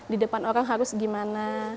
di depan orang harus gimana